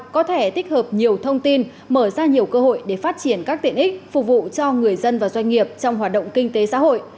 có thể tích hợp nhiều thông tin mở ra nhiều cơ hội để phát triển các tiện ích phục vụ cho người dân và doanh nghiệp trong hoạt động kinh tế xã hội